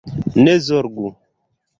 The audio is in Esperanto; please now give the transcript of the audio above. Ne zorgu